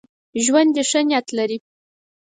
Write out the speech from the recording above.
ژوندي ښه نیت لري